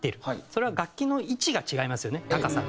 それは楽器の位置が違いますよね高さ。